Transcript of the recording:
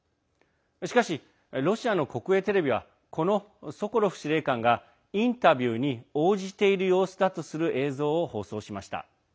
しかし、ロシアの国営テレビはこのソコロフ司令官がインタビューに応じている様子だとする映像を放送しました。